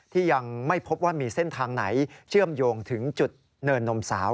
ที่ยังไม่พบว่ามีเส้นทางไหนเชื่อมโยงถึงจุดเนินนมสาว